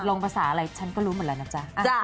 ลงภาษาอะไรฉันก็รู้หมดแล้วนะจ๊ะ